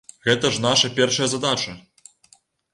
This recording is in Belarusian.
Гэта ж наша першая задача!